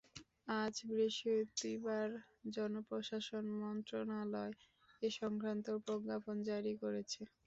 আজ বৃহস্পতিবার জনপ্রশাসন মন্ত্রণালয় এ-সংক্রান্ত প্রজ্ঞাপন জারি করেছে।